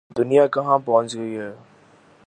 دنیا کہاں پہنچ گئی ہے۔